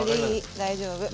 大丈夫。